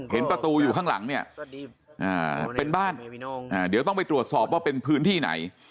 ประตูอยู่ข้างหลังเนี่ยเป็นบ้านเดี๋ยวต้องไปตรวจสอบว่าเป็นพื้นที่ไหน